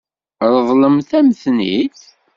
Ṛeḍlent-am-ten-id?